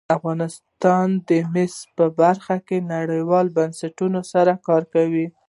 افغانستان د مس په برخه کې نړیوالو بنسټونو سره کار کوي.